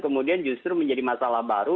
kemudian justru menjadi masalah baru